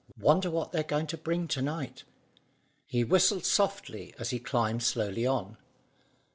"Wonder what they're going to bring to night?" He whistled softly as he climbed slowly on.